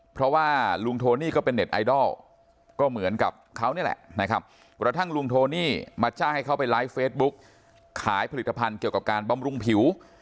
เพราะว่าลุงโทนี่ก็เป็นเน็ตไอดอลก็เหมือนกับเขานี่แหละนะครับกระทั่งลุงโทนี่มาจ้างให้เขาไปไลฟ์เฟซบุ๊กขายผลิตภัณฑ์เกี่ยวกับการบำรุงผิว